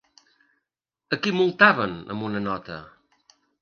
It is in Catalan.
A qui multaven amb una nota?